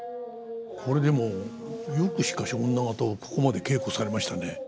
これでもよくしかし女方をここまで稽古されましたね。